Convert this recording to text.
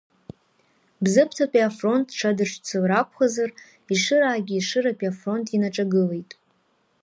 Бзыԥҭатәи афронт рҽадыршьцалар акәхазар, Ешыраагьы, Ешыратәи афронт инаҿагылеит.